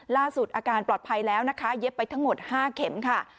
ล่าสุดอาการปลอดภัยแล้วนะคะเย็บไปทั้งหมด๕เข็มค่ะ